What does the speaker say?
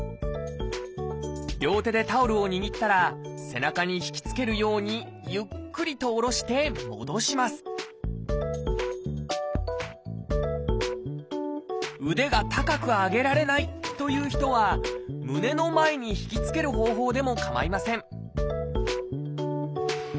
両手でタオルを握ったら背中を引きつけるようにゆっくりと下ろして戻します腕が高く上げられないという人は胸の前に引きつける方法でもかまいません